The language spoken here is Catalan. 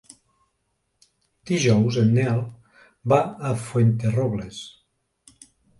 Dijous en Nel va a Fuenterrobles.